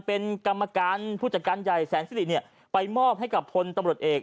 เป็นกรรมการผู้จัดการใหญ่แสนสิริเนี่ยไปมอบให้กับพลตำรวจเอก